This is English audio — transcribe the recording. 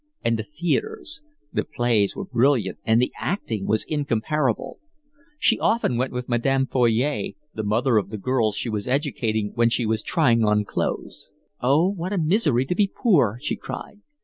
And the theatres: the plays were brilliant, and the acting was incomparable. She often went with Madame Foyot, the mother of the girls she was educating, when she was trying on clothes. "Oh, what a misery to be poor!" she cried.